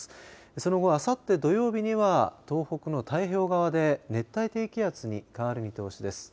その後、あさって土曜日には東北の太平洋側で熱帯低気圧に変わる見通しです。